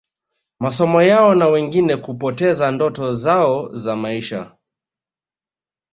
masomo yao na wengine kupoteza ndoto zao za maisha